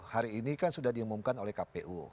hari ini kan sudah diumumkan oleh kpu